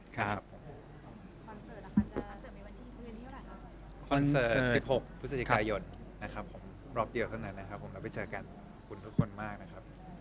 คอนเซิร์ต๑๖พฤศจิกายนรอบเดียวเท่านั้นนะครับเราไปเจอกันขอบคุณทุกคนมากนะครับ